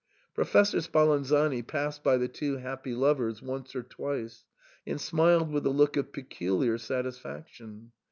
Professor Spalanzani passed by the two happy lovers once or twice, and smiled with a look of peculiar satis faction.